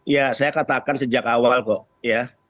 ya saya katakan sejak awal kok ya